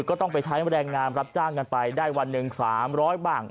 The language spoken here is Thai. ก็ต้องไปใช้แรงงานรับจ้างกันไปได้วันหนึ่ง๓๐๐บ้าง